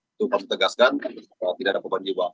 itu kami tegaskan tidak ada korban jiwa